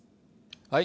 はい。